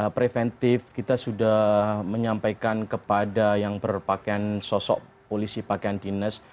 preventif kita sudah menyampaikan kepada yang berpakaian sosok polisi pakaian dinas